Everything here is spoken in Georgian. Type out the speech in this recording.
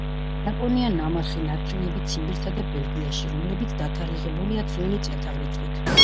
ნაპოვნია ნამარხი ნარჩენები ციმბირსა და ბელგიაში, რომლებიც დათარიღებულია ძველი წელთაღრიცხვით